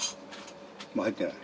もう入ってない。